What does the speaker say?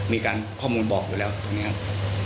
มีการข้อมูลบอกอยู่แล้วตรงนี้ครับ